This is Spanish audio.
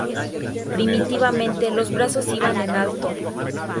Primitivamente los brazos iban en alto.